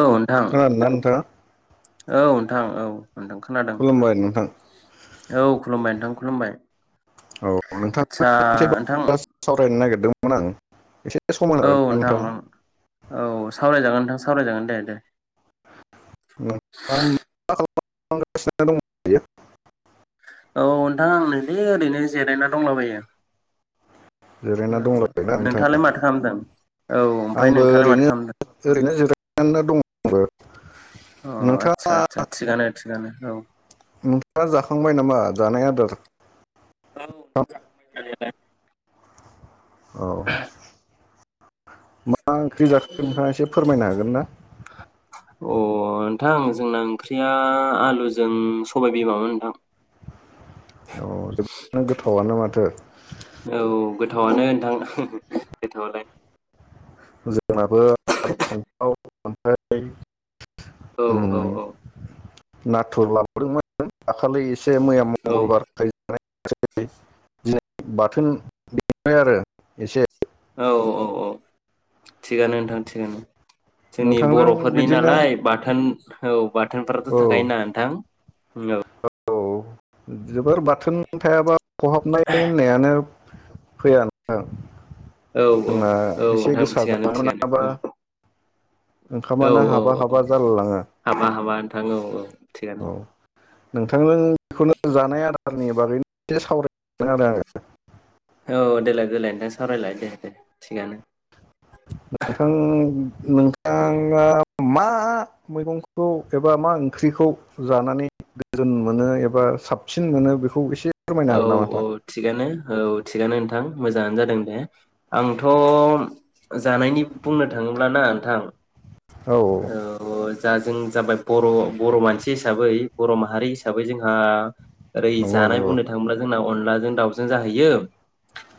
औ नोंथां खोनादोंना नोंथाङा औ नोंथां औ नोंथां खोनादों खुलुमबाय नोंथां औ खुलुमबाय नोंथां। खुलुमबाय। औ नोंथाङाजों आदसा मोनसे नोंथां खोथा सावरायनो नागिर दोंमोन आं एसे सम होनो औ हागोन ना नोंथां नोंथाङा औ सावरायजागोन नोंथां। सावराय जागोन दे दे। आं [unintelligible] दे ओरैनो जिरायना दंलाबायो। जिरायना दंलाय औ दा नोंथाङालाय नोंथाङा माथो खालामदों औ ओमफ्राय आंबो नोंथाङालाय माथो ओरैनो खालामदों ओरैनो जिरायनानै दङ। [unintelligible] अ नोंथाङा आतसा आतसा थिगानो थिगानो औ। दा जाखांबाय नामा जानाय आदार औ जाखांबाय जानायालाय। औ मा ओंख्रि जाखो नोंथाङा एसे फोरमायनो हागोन ना? अ नोंथां जोंना ओंख्रिया आलुजों सबाइ बिमामोन नोंथां। अ जोबनो गोथावआनो माथो। औ गोथावआनो नोंथां गोथावालाय। जोंना बो फान्थाव ओमफ्राय औ उम औ औ। नाथुर लाबोदोंमोन दाखालि ए से मैया मंगलबार बाथोन निफ्राय आरो एसे औ औ औ। थिगानो नोंथां थिगानो जोंनि नोंथांजों बर'फोरनि बिदिनो नालाय बाथोन औ। बाथोनफोराथ' औ थाखायोना नोंथां। उम नो औ जोबोर बाथोन थायाबा खहाबनाय होननायानो फैया नोंथां। औ औ जोंना औ एसे नोंथां गोसा थिगानो जानो मोनाबा थिगानो औ। औ ओंखामानो औ हाबा औ हाबा जालायलाङो हाबा हाबा नोंथां औ औ थिगानो। औ नोंथांजों जिखुनु जानाय आदारनि बागै एसे सावरायनोमोन आरो आङो। औ देलाय देलाय नोंथां सावरायलाय दे दे थिगानो। नोंथां नोंथाङा मा मैगंखौ एबा मा ओंख्रिखौ जानानै गोजोन मोनो एबा साबसिन मोनो बेखौ एसे फोरमायनो औ हागोन नामा औ नोंथां थिगानो। औ थिगानो नोंथां मोजाङानो जादों दे आंथ' जानायनि बुंनो थाङोब्ला ना नोंथां औ। औ औ दा जों जाबाय बर' बर' मानसि हिसाबै बर' माहारि हिसाबै जोंहा ओरै नंगौ जानाय नंगौ बुंनो जोंना अनलाजों दाउजों जाहैयो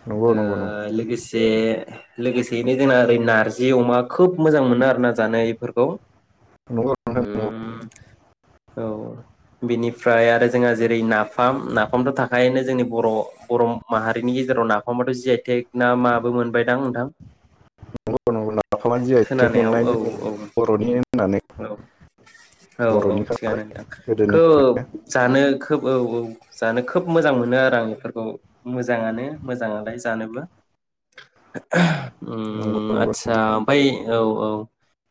नंगौ ओ नंगौ नंगौ लोगोसे बे लोगोसेयैनो जोंना ओरै नारजि अमा खोब मोजां मोनो आरो ना जानो बेफोरखौ। नंगौ नोंथां होम। औ बिनिफ्राय आरो जोंहा जेरै नाफाम नाफ फामथ' थाखायनो जोंनि बर' बर' माहारिनि गेजेराव नाफामाथ' जि आइ टेक ना माबो मोनबायदां नोंथां? नंगौ नंगौ नाफामा जि आइ टेक खोनानायाव मोननाय औ जोंनि औ बर'नि होननानै औ औ औ बर'निखा नालाय थिगानो नोंथां गोदोनिफ्राय खोब जानो खोब औ औ। जानो खोब मोजां मोनो आरो आं बेफोरखौ मोजाङानो मोजाङालाय जानोबो। ओम नंगौ नंगौ आतसा ओमफ्राय औ औ।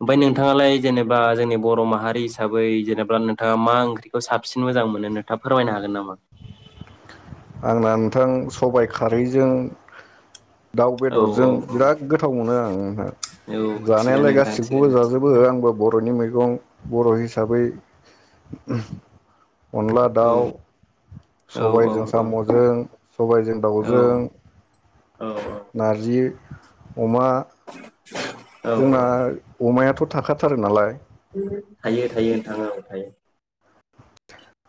ओमफाय नोंथाङालाय जेनेबा जोंनि बर माहारि हिसाबै जेनेबा नोंथाङा मा ओंख्रिखौ साबसिन मोजां मोनो नोंथाङा फोरमायनो हागोन नामा? आंना नोंथां सबाइ खारैजों दाउ औ बेदरजों औ बिराद गोथाव मोनो आंहा औ औ थिगानो जानायालाय नोंथां गासिबखौबो थिगानो जाजोबो थिगानो आंबो बरनि मैगं बर' हिसाबै [inaudible] अनला औ दाउ औ औ सबायजों साम'जों सबायजों दाउजों औ औ नारजि अमा जोंना औ अमायाथ' थाखाथारो नालाय। थायो थायो नोंथां औ थायो।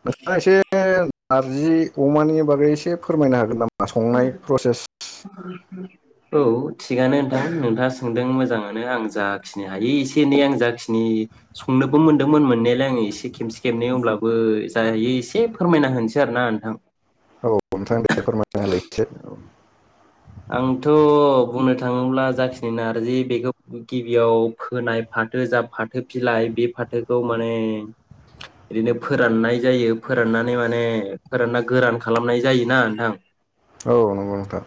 नोंथाङा एसे नारजि अमानि बागै एसे फोरमायनो हागोन नामा? संनाय प्रसेस औ थिगानो नोंथां नोंथाङा सोंदों मोजाङानो आं जाखिनि हायो एसे एनै आं जाखिनि संनोबो मोनदोंमोन मोननायालाय आं एसे खेबसे खेबनै अब्लाबो जा हायो एसे फोरमायना होनोसै आरो ना नोंथां। औ नोंथां दे फोरमाय। होलाय एसे औ आंथ' बुंनो थाङोब्ला जाखिनि नारजि बेखौ गिबियाव फोनाय फाथो जा फाथो बिलाइ बे फाथोखौ माने ओरैनो फोराननाय जायो फोराननानै माने फोरानना गोरान खालामनाय जायोना नोंथां। औ नंगौ नोंथां।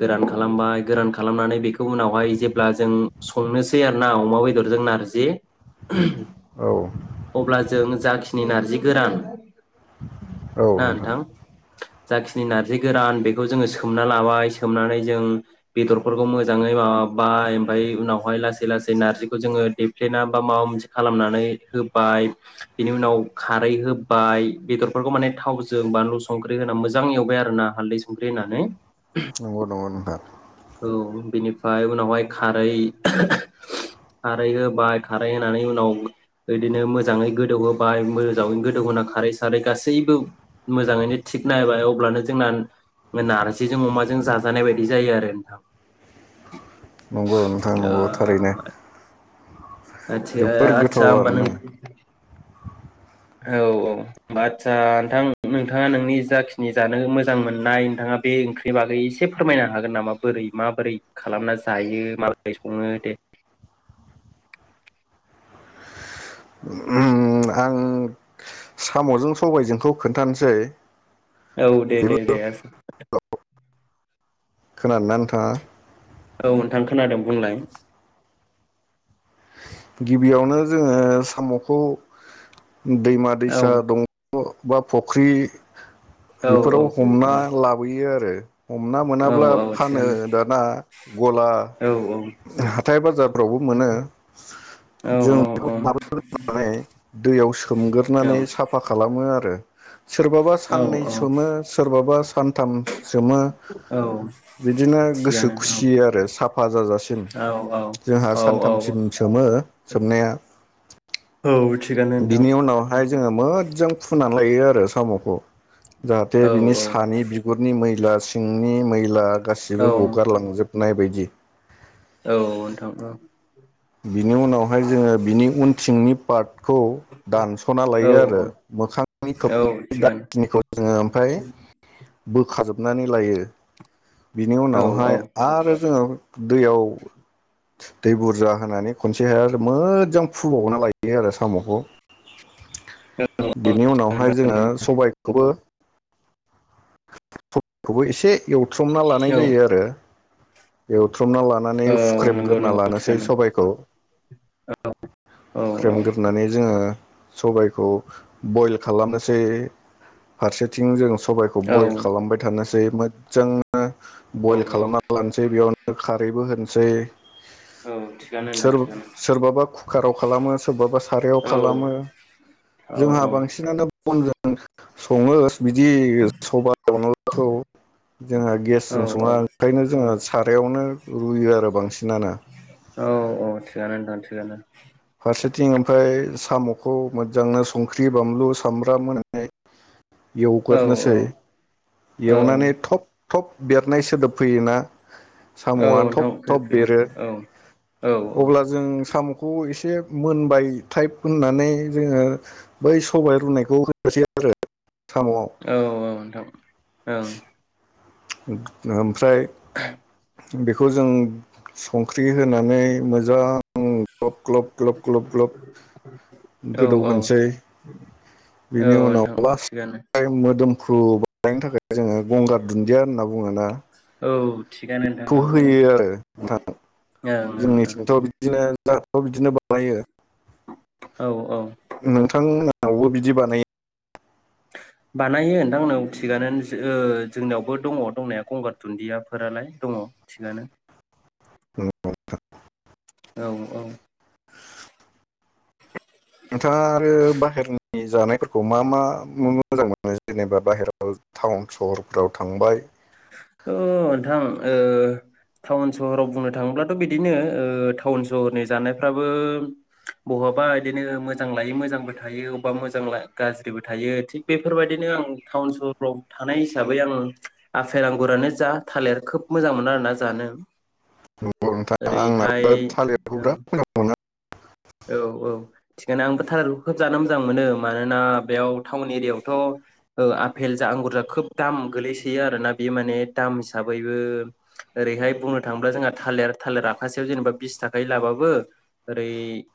गोरान खालामबाय गोरान खालामनानै बेखौ उनावहाय जेब्ला जों संनोसै आरोना अमा बेदरजों नारजि औ अब्ला जों जाखिनि नारजि गोरान ना नोंथां [unintelligible] जाखिनि नारजि गोरान बेखौ जोङो सोमनानै लाबाय सोमोननानै जों बेदरफोरखौ मोजाङै माबाय ओमफ्राय उनावहाय लासै लासै नारजिखौ जोङो देफ्लेना बा माबा मोनसे खालामनानै होबाय बिनि उनाव खारै होबाय बेदरफोरखौ माने थावजों बानलु संख्रि होनानै मोजां एवबाय आरोना हाल्दै संख्रि होनानै। नंगौ नंगौ नोंथां बेनिफ्राय उनावहाय खारै [unintelligible] खारै होबाय खारै होनानै उनाव बिदिनो मोजाङै गोदौ होबाय मोजाङै गोदौहोना खारै सारै गासैबो मोजाङैनो थिग नायबाय अब्लानो जों नारजि अमाजों जाजानाय बायदि जायो आरो नोंथां। नंगौ नोंथां नंगौ थारैनो। आ जोबोर आतसाा गोथाव ब आरोना [unintelligible] औ औ आदसा नोंथां नोंथाङा नोंनि जाखिनि जानो मोजां मोननाय नोंथाङा बे ओंख्रिनि बागै एसे फोरमायनो हागोन नामा बोरै माबोरै खालामना जायो माबोरै सङो दे? आं सामजों सबायजोंखौ खोन्थानोसै औ दे बेबो दे दे आसा खोनादोंना नोंथांङा? औ नोंथां खोनादों बुंलाय। गिबियावनो जोङो साम'खौ दैमा औ दैसा दं बा फुख्रि औ औ बिफोराव औ हमना लाबोयो आरो हमना औ मोनाब्ला औ फानो थिगानो दाना गला औ हाथाय बाजारफ्रावबो मोनो। औ जों बेखौ लाबोग्रोनानै दैयाव सोमगोरनानै साफा खालाम। सोमो आरो सोरबाबा औ साननै सोमो सोरबाबा सानथाम सोमो औ बिदिनो गोसो थिगानो औ खुसि आरो साफा जाजासिम औ जोंहा औ औ सानथाम जों सोमो सोमनाया औ थिगानो नोंथां बिनि उनावहाय। जोंङो मोजां फुनानै लायो आरो साम'खौ औ जाहाथे बिनि सानि बिगुरनि मै [unintelligible] सिंनि मैला औ गासिबो गगारलांजोबनाय बायदि बि औ नोंथां औ बिनि उनावहाय जोङो बिनि उन सिंनि पार्ट खौ दानस'ना औ लायो आरो मोखांनि [unintelligible] औ थिगानो जोङो ओमफ्राय बोखाजोबनानै लायो बिनि औ उनावहाय औ आरो जोङो दैयाव दै बुरजा होनानै खनसे आरो मोजां फुबावना लायो आरो साम'खौ औ बिनि उनावहाय जोङो सबायखौबो [unintelligible] खौबो एसे एव बुथमना लानाय जायो आरो बेयाव बुख्रमना लानानै नंगौ फुख्रेमग्रोनना नंगौ लानोसै थिगानो सबाइ औ औ औ फुख्रेमगोरनानै जोङो सबबायखौ बयल खालामनोसै फारसेथिं जों सबायाइखौ औ बयल खालामबाय थानो मोजांनो औ बयल खालामना लानोसै बेयावनो खार रैबो होनोसै औ थिगानो नोंथां थिगानो सोरबाबा कुकाराव खालामो सोरबाबा सारायाव औ खालामो औ जोंहा बांसिनानो बनजों सङो बिदि सबा अनलाखौ जोंहा औ गेसजों सङा ओंखायनो जोङो सारायावनो रुयो आरो बांसिन। औ अ थिगानो नोंथां थिगानो फारसेथिं ओमफ्राय साम'खौ मोजांनो संख्रि बानलु सामब्राम होननाय औ औ एवग्रोनोसै औ एवनानै थब थब बेरनाय सोदोब फैयोना औ साम'आ नोंथां थब फैयो थब बेरो फैयो औ अब्ला जों साम'खौ ख इस से मोनबाय टाइप होननानै जोङो बै सबाइ रुनायखौ होनोसै आरो साम'आव औ औ नोंथां औ ओं [inaudible] ओमफ्राय बेखौ जों संख्रि होनानै मोजां ग्लब ग्लब ग्लबेल ग्लब गोदौ औ होनोसै औ औ बेनि नोंथां उनाव लास थिगानो टाइम मोदोम खुब [unintelligible] थाखाय जोङो गंगार दुन होनना बुङोना औ थिगानो बेखौ नोंथां औ औ होयो आरो नोंथां ओं ओं जोंनिथिंथ' बिदिनो दा बिदिनो बानायो। औ औ नोंथां मोनावबो बिदि बानायो? बानायो नोथां औ थिगानो ओ जोंनियावबो दङ दंनाया गंगार दुन्दियाफोरालाय दङ थिगानो। [unintelligible] औ औ नोंथाङा आरो बाहेरनि जानायफोरखौ मा मा नुनो मोजां मोनो जेनेबा बाहेरायाव टाउन सहरफोराव थांबाय ओ नोंथां ओ टाउन सहराव बुंनो थाङोब्लाथ' बिदिनो ओ टाउन सहरनि जानायफ्राबो बहाबा इदिनो मोजां लायै मोजांबो थायो अबेबा मोजां ला गाज्रिबो थायो थिग बेफोरबादिनो आं टाउन सहरफोराव थानाय हिसाबै आं आफेल आगुरानो जा थालिर खोब मोजां मोनो आरोना जानो। नंगौ नोंथां ओरैहाय आंनाबो थालिरखौ बिराद मोजां औ औ थिगानो आंबो थालिरखौ खोब जानो मोजां मोनो मानोना बेयाव टाउन एरियाायावथ' आपेल जा आंगुर जा खोब दाम गोगलैसोयो आरोना बे माने दाम हिसाबैबो ओरैहाय बुंनो थाङोब्ला जोंहा थालिर थालिर आखासेयाव जेनेबा बिसथागायै लाबाबो ओरै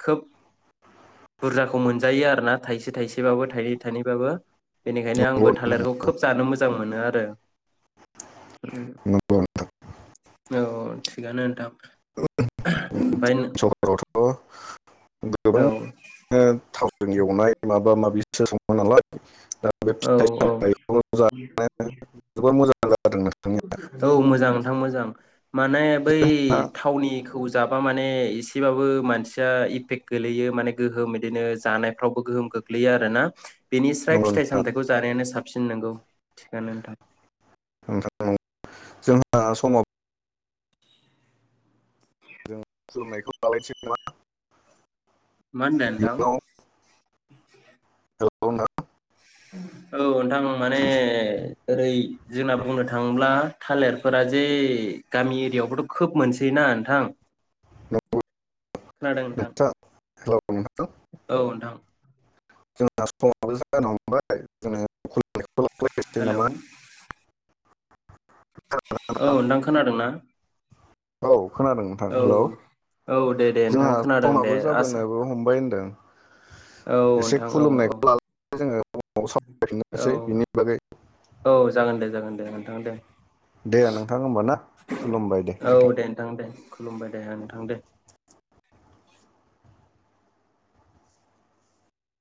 खोब बुरजाखौ मोनजायो आरोना थाइसे थाइसेबाबो थायनै थाइनैबाबो बेनिखायनो मोनो आंबो नंगौ थालिरखौ खोब जानो मोजां मोनो आरो। नोंथां नंगौ नोंथां। औ थिगानो नोंथां। ओमफ्राय सहरावथ' गोबां औ ओ थावजों एवनाय माबा माबिसो सङो नालाय। दा बे औ फिथाइ औ सामथायखौ जानो जोबोद मोजां। जादों नोंथांनिया औ मोजां नोंथां मोजां माने बै थावनि खौ जाबा माने एसेबाबो मानसिया इफेक्ट गोलैयो माने गोहोम इदिनो जानायफ्रावबो गोहोम गोग्लैयो आरोना? बेनि स्राय नंगौ फिथाइ नोंथां सामथायखौ जानायानो साब साबसिन नोंगौ थिखानो नोंथां। नोंथां जोंहा समाब जों खुलुमनायखौ [unintelligible] मा होनदों नोंथां‌? औ। औ नोंथां माने ओरै जोंना बुंनो थाङोब्ला थालिरफोरा जे गामि एरियायावबोथ' खोब मोनसैयोना नोंथां। खोनादों नोंथां। [unintelligible] औ नोंथां। जोंना समाबो जानो हमबाय हेलौ [unintelligible] [unintelligible] औ नोंथां खोनादोंना? औ खोनादों नोंथां औ हेलौ औ दे दे नोंथां जोंहा खोनादों दे समाबो आसा जाबोनोबो [unintelligible] औ एसे नोंथां औ, औ खुलुमनायखौ लानानै जोङो उनाव सावरायफिननोसै बिनि बागै औ औ जागोन दे जागोन। दे नोंथां दे। दे नोंथां ओमबा ना खुलुमबाय दे नोंथां। खुलुमबाय दे आं नोंथां दे।